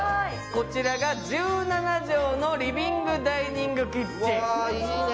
こちらが１７畳のリビングダイニングキッチン。